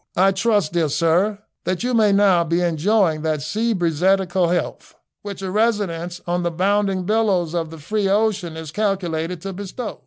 I trust, dear sir, that you may now be enjoying that seabreezetical health which a residence on the bounding billows of the free ocean is calculated to bestow.